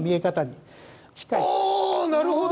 あっなるほど。